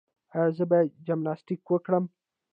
ایا زه باید جمناسټیک وکړم؟